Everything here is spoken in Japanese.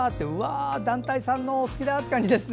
団体さんのお越しだって感じですね。